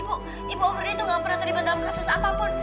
ibu ibu itu gak pernah terlibat dalam kasus apapun